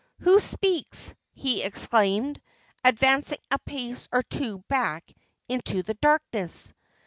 "Who speaks?" he exclaimed, advancing a pace or two back into the darkness.